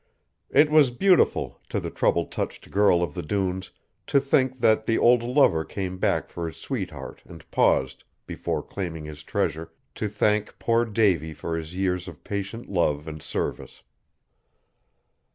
It was beautiful, to the trouble touched girl of the dunes, to think that the old lover came back for his sweetheart and paused, before claiming his treasure, to thank poor Davy for his years of patient love and service.